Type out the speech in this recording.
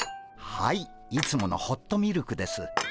はいいつものホットミルクです。